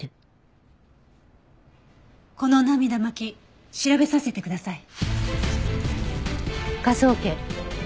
この涙巻き調べさせてください。